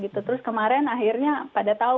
gitu terus kemarin akhirnya pada tahu